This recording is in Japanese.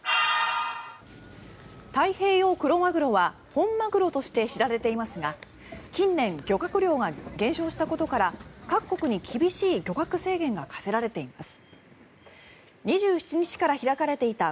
太平洋クロマグロは本マグロとして知られていますが近年、漁獲量が減少したことから各国に厳しい漁獲制限が課せられています。